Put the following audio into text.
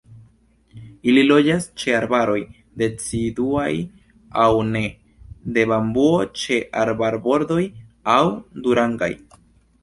Ili loĝas ĉe arbaroj deciduaj aŭ ne, de bambuo, ĉe arbarbordoj aŭ duarangaj.